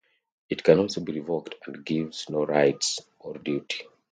It can also be revoked and gives no rights or duty.